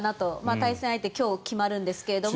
対戦相手今日決まるんですけれども。